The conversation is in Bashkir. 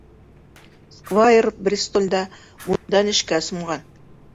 Сквайр Бристолдә муйындан эшкә сумған.